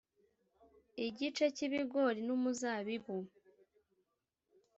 igice cy'ibigori n'umuzabibu,